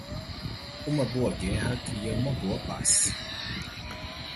Uma boa guerra cria uma boa paz.